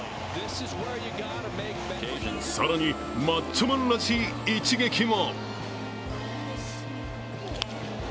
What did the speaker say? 更にマッチョマンらしい一撃も。